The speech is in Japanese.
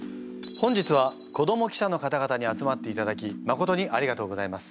本日は子ども記者の方々に集まっていただきまことにありがとうございます。